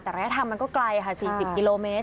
แต่ระยะทางมันก็ไกลค่ะ๔๐กิโลเมตร